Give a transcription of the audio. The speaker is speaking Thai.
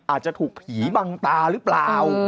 อาจจะถูกผีบังตาหรือเปล่า